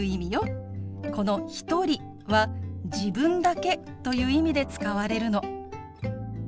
この「一人」は「自分だけ」という意味で使われるの。